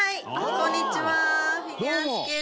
こんにちは。